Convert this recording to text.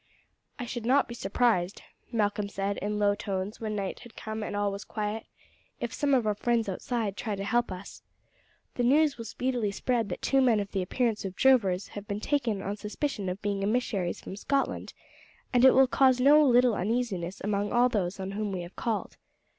"I should not be surprised," Malcolm said in low tones when night had come and all was quiet, "if some of our friends outside try to help us. The news will speedily spread that two men of the appearance of drovers have been taken on suspicion of being emissaries from Scotland, and it will cause no little uneasiness among all those on whom we have called.